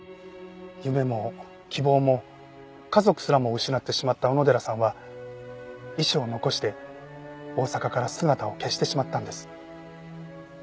夢も希望も家族すらも失ってしまった小野寺さんは遺書を残して大阪から姿を消してしまったんです。